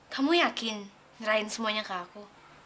kamu yakin nyerahin semuanya ke aku